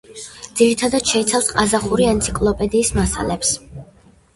ძირითადად შეიცავს ყაზახური ენციკლოპედიის მასალებს.